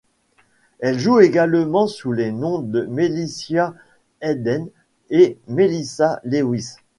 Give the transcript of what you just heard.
Elle joue également sous les noms de Melessia Hayden et Melissa Lewis.